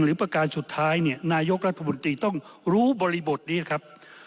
ประการสุดท้ายเนี่ยนายกรัฐมนตรีต้องรู้บริบทนี้นะครับ